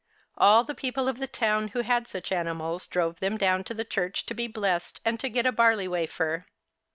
All the people of the town who had such animals drove them down to the church to be blessed and to get a barley wafer.